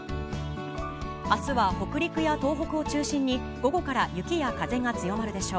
あすは北陸や東北を中心に、午後から雪や風が強まるでしょう。